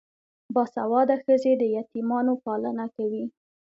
باسواده ښځې د یتیمانو پالنه کوي.